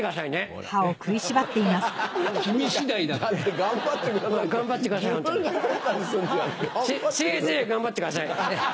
ホントにせいぜい頑張ってください。